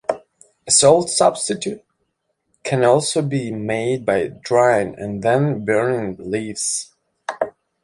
A salt-substitute can also be made by drying and then burning the leaves.